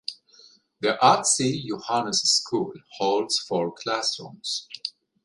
The Atse Yohannes School holds four classrooms.